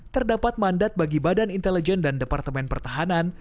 terdapat mandat bagi badan intelijen dan departemen pertahanan